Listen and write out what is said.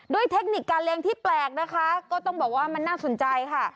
เทคนิคการเลี้ยงที่แปลกนะคะก็ต้องบอกว่ามันน่าสนใจค่ะ